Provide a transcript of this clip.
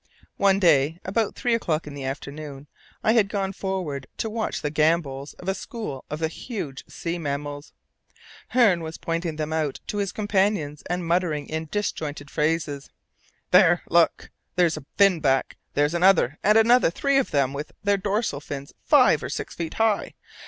One day, about three o'clock in the afternoon, I had gone forward to watch the gambols of a "school" of the huge sea mammals. Hearne was pointing them out to his companions, and muttering in disjointed phrases, "There, look there! That's a fin back! There's another, and another; three of them with their dorsal fins five or six feet high.